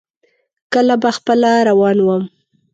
کله به خپله روان ووم.